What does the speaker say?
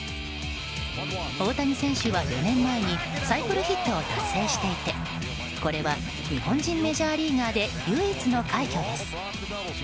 大谷選手は４年前にサイクルヒットを達成していてこれは日本人メジャーリーガーで唯一の快挙です。